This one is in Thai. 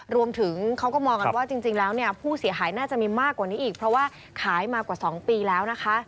รวมถึงเขาก็มองกันว่าจริงแล้วเนี่ยผู้เสียหายน่าจะมีมากกว่านี้อีกเพราะว่าขายมากว่า๒ปีแล้วนะคะ